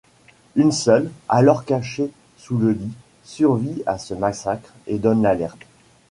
Une seule, alors cachée sous le lit, survit à ce massacre et donne l'alerte.